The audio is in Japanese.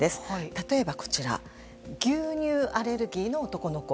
例えば、牛乳アレルギーの男の子。